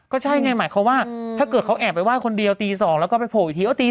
ก็ใช่ไงหมายความว่าถ้าเขาแอบไปไหว้คนเดียวตี๒แล้วโผล่วิธีอีกที